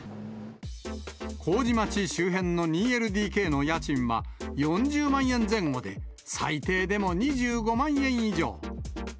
麹町周辺の２ＬＤＫの家賃は４０万円前後で、最低でも２５万円以上。